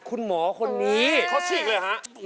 คุณหมอคนนี้เค้าชิงเลยฮะ